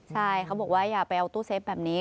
ใช่เขาบอกว่าอย่าไปเอาตู้เซฟแบบนี้